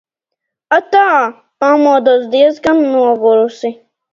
Atā! Pamodos diezgan nogurusi.